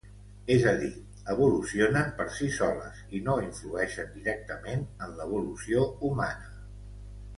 És a dir, evolucionen per si soles i no influeixen directament en l'evolució humana.